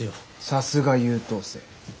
さすが優等生。